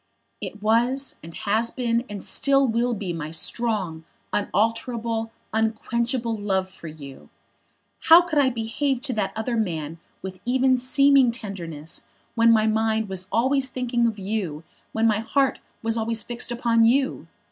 "It was, and has been, and still will be my strong, unalterable, unquenchable love for you. How could I behave to that other man with even seeming tenderness when my mind was always thinking of you, when my heart was always fixed upon you?